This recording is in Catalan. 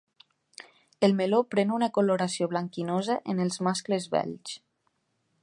El meló pren una coloració blanquinosa en els mascles vells.